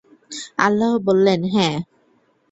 আল্লাহ বললেন, হ্যাঁ।